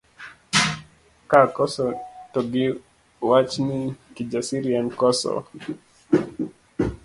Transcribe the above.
Ka akoso to giwach ni Kijasiri en okoso.